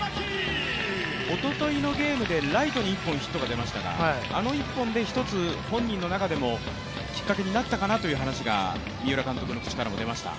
おとといのゲームでライトに１本ヒットが出ましたがあの１本で一つ本人の中でもきっかけになったかなという話が三浦監督の口からも出ました。